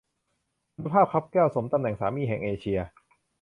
คุณภาพคับแก้ว สมตำแหน่งสามีแห่งเอเชีย